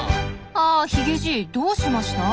あヒゲじいどうしました？